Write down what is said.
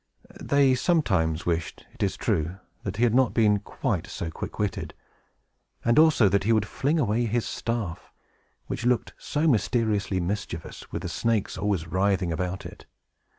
They sometimes wished, it is true, that he had not been quite so quick witted, and also that he would fling away his staff, which looked so mysteriously mischievous, with the snakes always writhing about it.